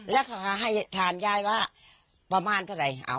แล้วให้ทานยายว่าประมาณเท่าไหร่